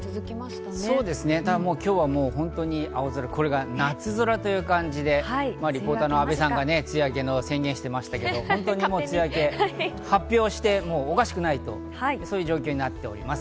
ただ今日は青空、夏空という感じでリポーターの阿部さんが梅雨明け宣言してましたけど、梅雨明け発表しておかしくない状況になっております。